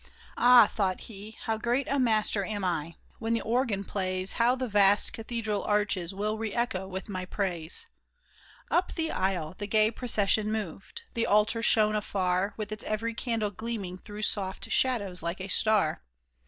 " Ah !" thought he, '' how great a master am I ! When the organ plays, How the vast cathedral arches will re echo with my praise !" Up the aisle the gay procession moved. The altar shone afar. With its every candle gleaming through soft shadows like a star.